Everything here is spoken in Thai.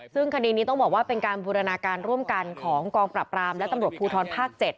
ซึ่งคดีนี้ต้องบอกว่าเป็นการบูรณาการร่วมกันของกองปรับรามและตำรวจภูทรภาค๗